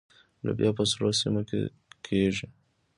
لوبیا په سړو سیمو کې کیږي.